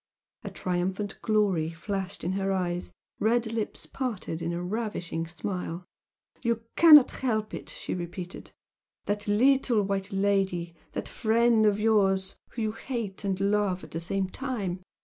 A triumphant glory flashed in her eyes her red lips parted in a ravishing smile. "You cannot help it!" she repeated "That little white lady that friend of yours whom you hate and love at the same time!